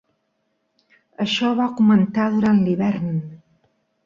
Això va augmentar durant l'hivern.